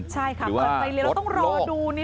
ใช่ค่ะเปิดไฟเลี้ยวต้องรอดูนิดนึง